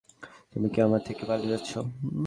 তুমি কি আমার থেকে পালিয়ে যাচ্ছ?